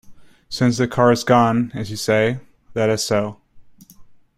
Since the car is gone, as you say, that is so.